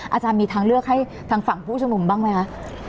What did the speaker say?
อาจารย์มีทางเลือกให้ทางฝั่งผู้ชมนุมบ้างไหมคะ